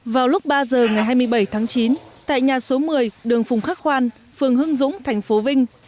vào lúc ba giờ ngày hai mươi bảy tháng chín tại nhà số một mươi đường phùng khắc khoan phường hưng dũng thành phố vinh